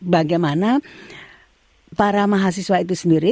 bagaimana para mahasiswa itu sendiri